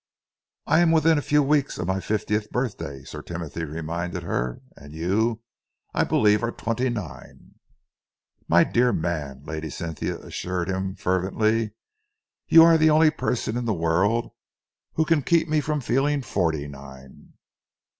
"I am within a few weeks of my fiftieth birthday," Sir Timothy reminded her, "and you, I believe, are twenty nine." "My dear man," Lady Cynthia assured him fervently, "you are the only person in the world who can keep me from feeling forty nine."